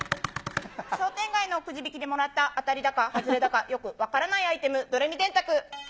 商店街のくじ引きでもらった、当たりだか外れだかよく分からないアイテム、ドレミ電卓。